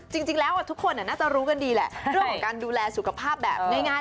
จริงแล้วทุกคนน่าจะรู้กันดีแหละเรื่องของการดูแลสุขภาพแบบง่าย